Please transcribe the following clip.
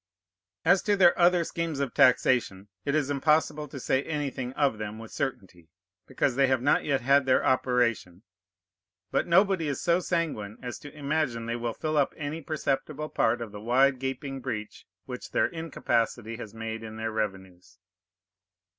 As to their other schemes of taxation, it is impossible to say anything of them with certainty, because they have not yet had their operation; but nobody is so sanguine as to imagine they will fill up any perceptible part of the wide gaping breach which their incapacity has made in their revenues.